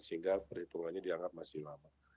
mungkin masih lama